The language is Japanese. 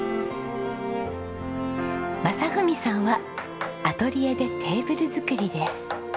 正文さんはアトリエでテーブル作りです。